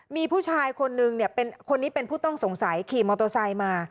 มีผู้ชายคนนึงคนนี้เป็นผู้ต้องสงสัยขี่มอเตอร์ไซค์มา